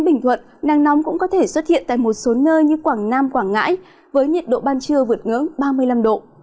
bình thuận nắng nóng cũng có thể xuất hiện tại một số nơi như quảng nam quảng ngãi với nhiệt độ ban trưa vượt ngưỡng ba mươi năm độ